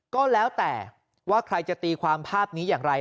ก็แล้วแต่ว่าใครจะตีความภาพนี้อย่างไร